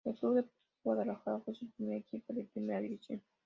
El Club Deportivo Guadalajara fue su primer equipo de Primera División.